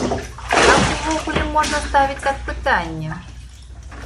Як увогуле можна ставіць так пытанне!